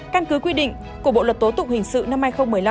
căn cứ quy định của bộ luật tố tụng hình sự năm hai nghìn một mươi năm